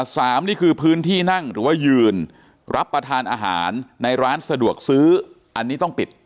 นี่คือพื้นที่นั่งหรือว่ายืนรับประทานอาหารในร้านสะดวกซื้ออันนี้ต้องปิด